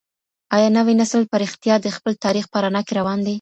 آيا نوی نسل په رښتيا د خپل تاريخ په رڼا کي روان دی؟